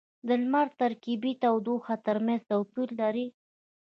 • لمر د ترکيبی تودوخې ترمینځ توپیر لري.